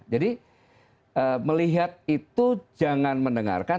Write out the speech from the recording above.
jadi melihat itu jangan mendengarkan